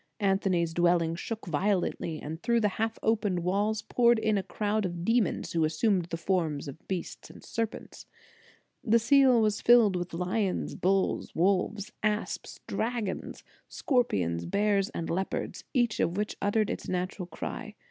Anthonys dwelling shook violently, and through the half opened walls poured in a crowd of demons, who assumed the forms of beasts and serpents. The cell was filled with lions, bulls, wolves, asps, dragons, scorpions, bears and leopards, each of which uttered its natural cry.